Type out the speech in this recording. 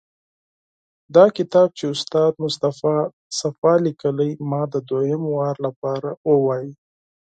دا کتاب چې استاد مصطفی صفا لیکلی، ما د دوهم ځل لپاره ولوست.